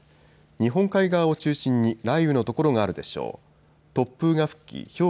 日本海側を中心に雷雨の所があるでしょう。